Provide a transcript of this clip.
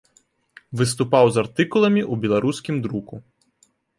Выступаў з артыкуламі ў беларускім друку.